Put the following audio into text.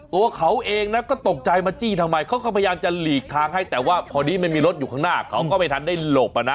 ตัวเขาเองนะก็ตกใจมาจี้ทำไมเขาก็พยายามจะหลีกทางให้แต่ว่าพอดีมันมีรถอยู่ข้างหน้าเขาก็ไม่ทันได้หลบอ่ะนะ